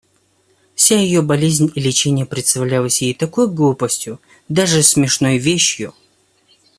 Вся ее болезнь и леченье представлялись ей такою глупою, даже смешною вещью!